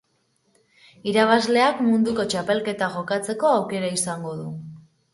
Irabazleak munduko txapelketa jokatzeko aukera izango du.